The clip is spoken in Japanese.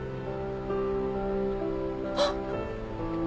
あっ。